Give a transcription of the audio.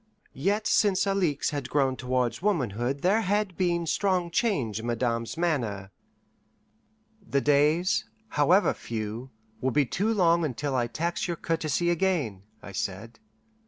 Yet since Alixe had grown towards womanhood there had been strong change in Madame's manner. "The days, however few, will be too long until I tax your courtesy again," I said.